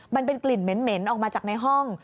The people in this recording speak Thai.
มันเป็นกลิ่นเหม็นออกมาจากในห้อง